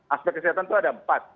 aspek kesehatan itu ada empat